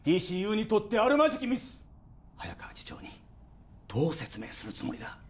ＤＣＵにとってあるまじきミス早川次長にどう説明するつもりだ？